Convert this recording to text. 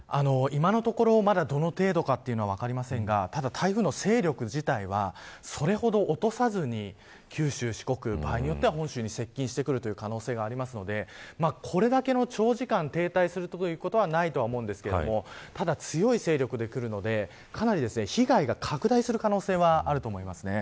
今のところどの程度か分かりませんが台風の勢力自体はそれほど落とさずに九州、四国、場合によっては本州に接近する可能性がありますのでこれだけの長時間停滞するということはないと思いますがただ、強い勢力でくるのでかなり被害が拡大する可能性があると思います。